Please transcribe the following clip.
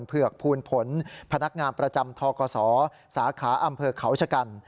เผือกภูลผลพนักงานประจำทกศสาขาอำเภอเขาชะกัน